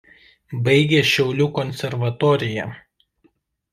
Baigė Šiaulių konservatoriją.